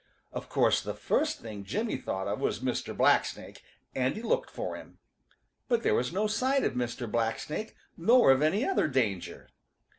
Of course the first thing Jimmy thought of was Mr. Blacksnake, and he looked for him. But there was no sign of Mr. Blacksnake nor of any other danger.